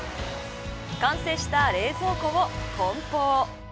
完成した冷蔵庫を梱包。